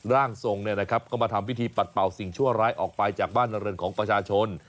ร่างทรงก็มาทำพิธีปัดเป่าสิ่งชั่วร้ายออกไปจากบ้านเรือนของประชาชน